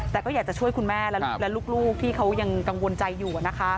แต่ก็อยากจะช่วยคุณแม่และลูกที่เขายังกังวลใจอยู่